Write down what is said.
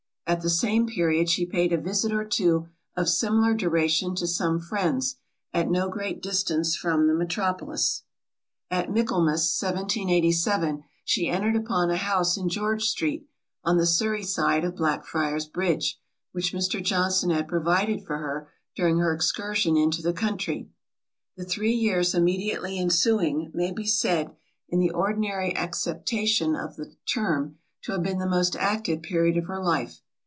At the same period she paid a visit or two of similar duration to some friends, at no great distance from the metropolis. At Michaelmas 1787, she entered upon a house in George street, on the Surry side of Black Friar's Bridge, which Mr. Johnson had provided for her during her excursion into the country. The three years immediately ensuing, may be said, in the ordinary acceptation of the term, to have been the most active period of her life.